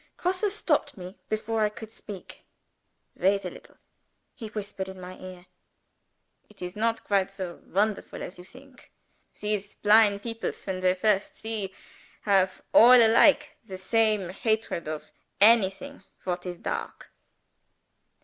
Grosse stopped me before I could speak. "Wait a little," he whispered in my ear. "It is not quite so wonderful as you think. These blind peoples, when they first see, have all alike the same hatred of anything what is dark."